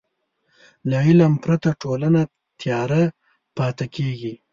له علم پرته ټولنه تیاره پاتې کېږي.